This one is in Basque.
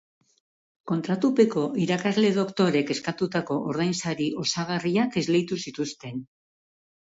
Kontratupeko irakasle doktoreek eskatutako ordainsari osagarriak esleitu zituzten.